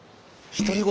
独り言。